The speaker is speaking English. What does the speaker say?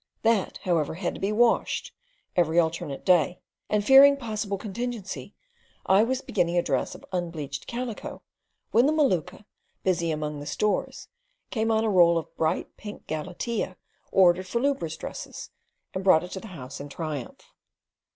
That, however, had to be washed, every alternate day; and, fearing possible contingencies, I was beginning a dress of unbleached calico, when the Maluka, busy among the stores, came on a roll of bright pink galatea ordered for lubras' dresses, and brought it to the house in triumph.